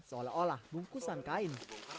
seolah olah bungkusan kain